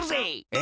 え？